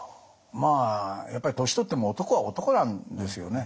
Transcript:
まあやっぱり年取っても男は男なんですよね。